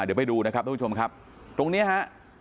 เดี๋ยวไปดูนะครับทุกผู้ชมครับตรงเนี้ยฮะ